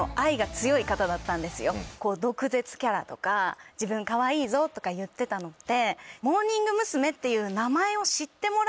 毒舌キャラとか自分かわいいぞとか言ってたのって。